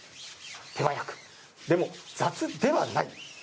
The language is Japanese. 手早く、でも雑ではない。